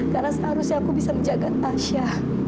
karena seharusnya aku bisa menjaga tasha